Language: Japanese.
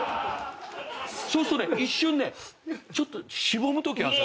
そうすると一瞬ねちょっとしぼむときあるんです。